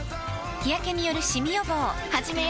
日やけによるシミ予防始めよ？